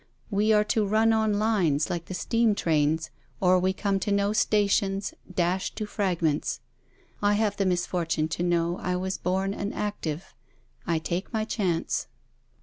We are to run on lines, like the steam trains, or we come to no station, dash to fragments. I have the misfortune to know I was born an active. I take my chance.'